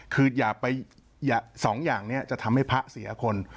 คือสองอย่างนี้จะทำให้พระเสียคน